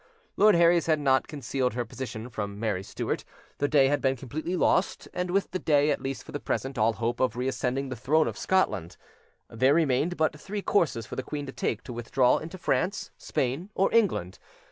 Lord Herries had not concealed her position from Mary Stuart: the day had been completely lost, and with the day, at least for the present, all hope of reascending the throne of Scotland. There remained but three courses for the queen to take to withdraw into France, Spain or England.